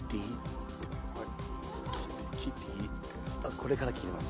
これから切ります。